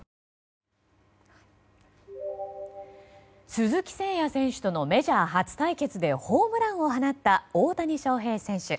鈴木誠也選手とのメジャー初対決でホームランを放った大谷翔平選手。